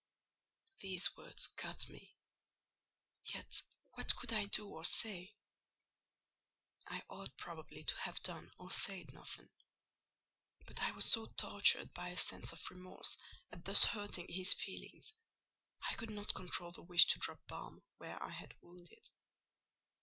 These words cut me: yet what could I do or I say? I ought probably to have done or said nothing; but I was so tortured by a sense of remorse at thus hurting his feelings, I could not control the wish to drop balm where I had wounded.